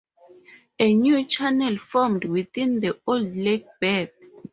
A new channel formed within the old lake bed.